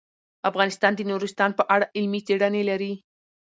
افغانستان د نورستان په اړه علمي څېړنې لري.